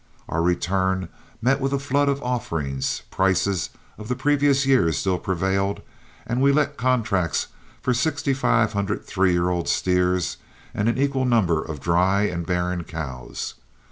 Our return met with a flood of offerings, prices of the previous year still prevailed, and we let contracts for sixty five hundred three year old steers and an equal number of dry and barren cows.